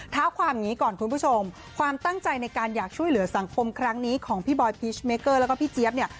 เท้าความอย่างนี้ก่อนคุณผู้ชมความตั้งใจในการอยากช่วยเหลือสังคมครั้งนี้ของพี่บอยพีชเมเกอร์แล้วก็พี่เจี๊ยบเนี่ย